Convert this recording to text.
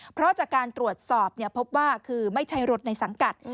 เพราะจากการตรวจสอบพบว่าคือไม่ใช่รถในสังกัด